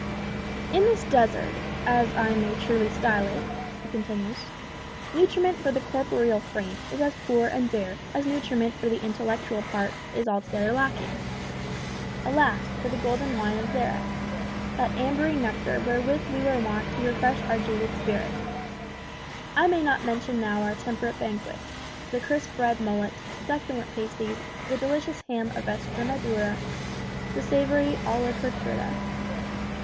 "In this desert, as I may truly style it" (he continues), "nutriment for the corporeal frame is as poor and bare as nutriment for the intellectual part is altogether lacking. Alas! for the golden wine of Xerez, that ambery nectar wherewith we were wont to refresh our jaded spirits! I may not mention now our temperate banquets: the crisp red mullet, the succulent pasties, the delicious ham of Estremadura, the savoury olla podrida.